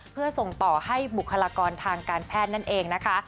เพื่อส่งต่อให้บุคลากรทางการแพทย์นั่นเองนะคะ